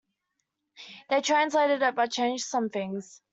They translated it but changed some things.